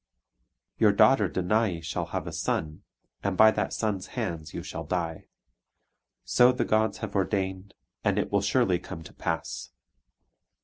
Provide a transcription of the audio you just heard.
Your daughter Danae shall have a son, and by that son's hands you shall die. So the gods have ordained, and it will surely come to pass."